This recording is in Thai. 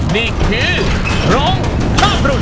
นี่คือร้องข้ามรุ่น